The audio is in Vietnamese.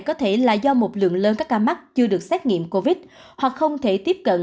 có thể là do một lượng lớn các ca mắc chưa được xét nghiệm covid hoặc không thể tiếp cận